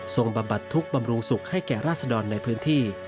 บำบัดทุกข์บำรุงสุขให้แก่ราษดรในพื้นที่